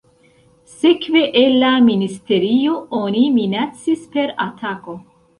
Sekve el la ministerio oni minacis per atako.